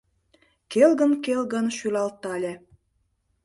Келгын-келгын шӱлалтале